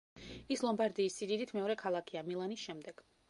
ის ლომბარდიის სიდიდით მეორე ქალაქია, მილანის შემდეგ.